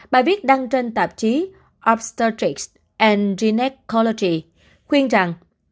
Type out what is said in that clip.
bài viết đăng trên tạp chí obstetrics and gynecology khuyên rằng